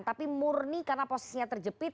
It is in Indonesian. tapi murni karena posisinya terjepit